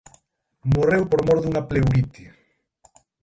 Morreu por mor dunha pleurite.